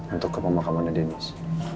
untuk ke pemakaman denis